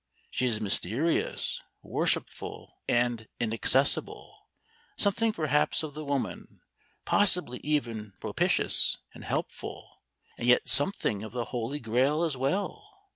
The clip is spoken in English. She is mysterious, worshipful, and inaccessible, something perhaps of the woman, possibly even propitious and helpful, and yet something of the Holy Grail as well.